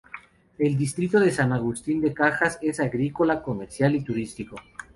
El distrito de San Agustín de Cajas, es agrícola, comercial y turístico.